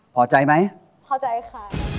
พอใจไหมพอใจค่ะ